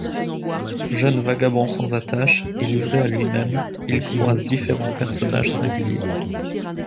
Jeune vagabond sans attache et livré à lui-même, il croise différents personnages singuliers.